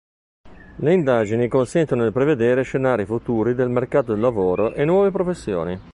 Le indagini consentono di prevedere scenari futuri del mercato del lavoro e nuove professioni.